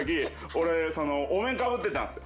俺お面かぶってたんす。